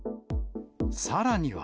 さらには。